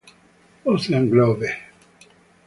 Ocean Grove